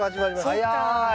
早い。